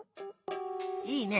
いいね。